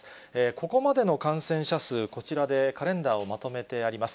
ここまでの感染者数、こちらでカレンダーをまとめてあります。